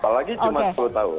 apalagi cuma sepuluh tahun